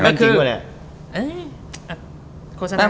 นั่นจริงหรอเนี่ย